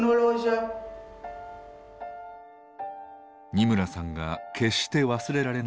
二村さんが決して忘れられない瞬間